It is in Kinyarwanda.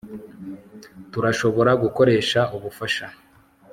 Turashobora gukoresha ubufasha